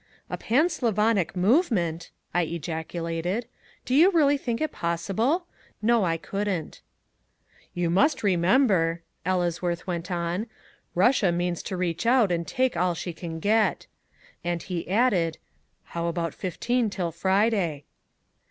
"A pan Slavonic movement!" I ejaculated. "Do you really think it possible? No, I couldn't." "You must remember," Ellesworth went on, "Russia means to reach out and take all she can get;" and he added, "how about fifteen till Friday?"